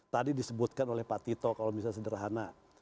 tadi disebutkan oleh pak tito kalau misalnya sederhana